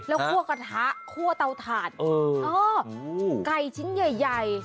แล้วคั่วกระทะคั่วเตาถาดเอออ้ออืมไก่ชิ้นใหญ่